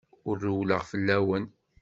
Ur rewwleɣ fell-awen.